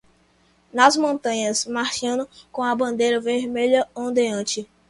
Nas montanhas, marchando com a bandeira vermelha ondeante